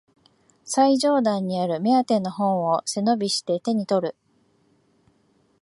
最上段にある目当ての本を背伸びして手にとる